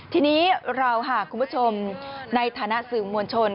ทีนี้เราค่ะคุณผู้ชมในฐานะสื่อมวลชน